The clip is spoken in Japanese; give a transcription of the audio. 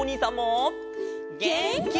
げんき！